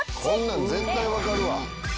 こんなん絶対わかるわ。